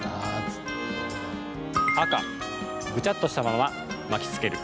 赤・ぐちゃっとしたまま巻きつける。